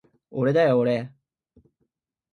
おれだよおれ